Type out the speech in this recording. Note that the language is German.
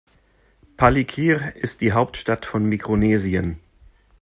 Palikir ist die Hauptstadt von Mikronesien.